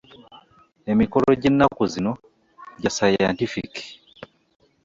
Emikolo gyenaku zino gya sayantifiki.